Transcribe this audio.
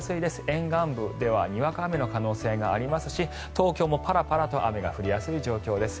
沿岸部ではにわか雨の可能性がありますし東京もパラパラと雨が降りやすい状況です。